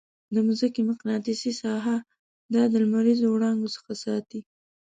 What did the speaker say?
د مځکې مقناطیسي ساحه دا د لمریزو وړانګو څخه ساتي.